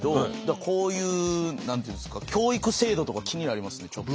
こういう何て言うんですか教育制度とか気になりますねちょっと。